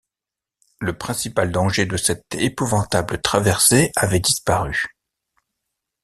Le principal danger de cette épouvantable traversée avait disparu.